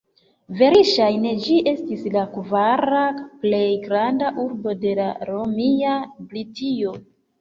Verŝajne ĝi estis la kvara plej granda urbo de romia Britio.